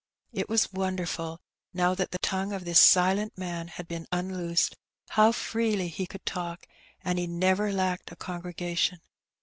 It was wonderful, now that the tongue of this silent man had been unloosed, how freely he could talk, and he never lacked a congregation.